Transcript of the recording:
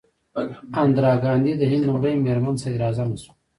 اندرا ګاندي د هند لومړۍ میرمن صدراعظم شوه.